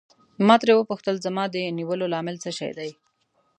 ما ترې وپوښتل زما د نیولو لامل څه شی دی.